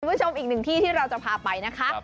คุณผู้ชมอีกหนึ่งที่ที่เราจะพาไปนะคะ